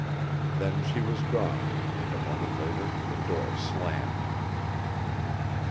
Then she was gone and a moment later the door slammed.